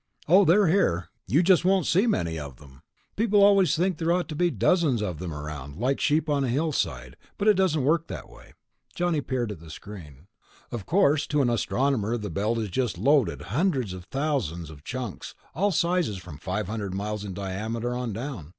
"Oh, they're here. You just won't see many of them. People always think there ought to be dozens of them around, like sheep on a hillside, but it just doesn't work that way." Johnny peered at the screen. "Of course, to an astronomer the Belt is just loaded ... hundreds of thousands of chunks, all sizes from five hundred miles in diameter on down.